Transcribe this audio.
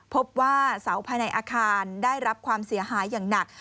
พบว่าเสาภายในอาคารได้รับความเสียหายอย่างหนัก